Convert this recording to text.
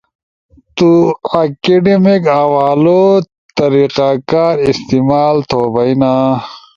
تو اکیڈیمک حوالو طریقہ کار استعمال تھو بئینا